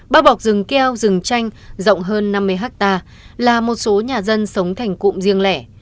bao bọc rừng keo rừng tranh rộng hơn năm mươi hectare là một số nhà dân sống thành cụm riêng lẻ